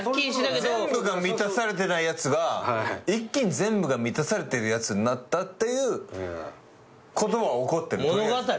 全部が満たされてないやつが一気に全部が満たされてるやつになったっていうことは起こってる。